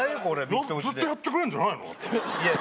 ミット打ちでずっとやってくれんじゃないの？